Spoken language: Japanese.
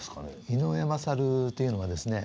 井上勝というのはですね